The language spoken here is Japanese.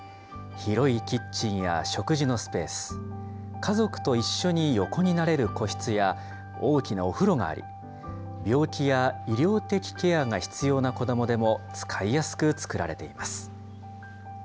広いキッチンや食事のスペース、家族と一緒に横になれる個室や、大きなお風呂があり、病気や医療的ケアが必要な子どもでも使いやすく作られています。